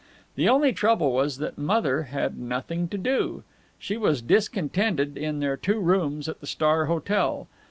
The only trouble was that Mother had nothing to do. She was discontented, in their two rooms at the Star Hotel.